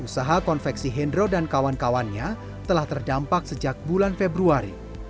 usaha konveksi hendro dan kawan kawannya telah terdampak sejak bulan februari